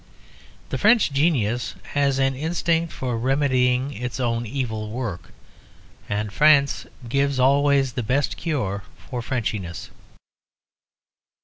The French genius has an instinct for remedying its own evil work, and France gives always the best cure for "Frenchiness."